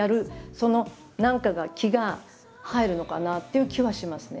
その何かが気が入るのかなっていう気はしますね。